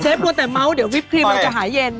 กลัวแต่เมาส์เดี๋ยววิปครีมมันจะหายเย็น